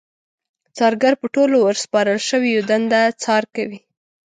څارګر په ټولو ورسپارل شويو دنده څار کوي.